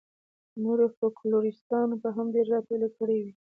نورو فوکلوریسټانو به هم ډېرې راټولې کړې وي.